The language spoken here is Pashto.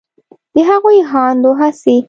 د هغې هاند و هڅې